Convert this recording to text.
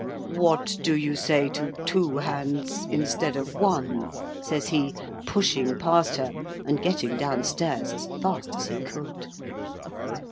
"What do you say to two hands, instead of one?" says he, pushing past her, and getting down stairs as fast as he could.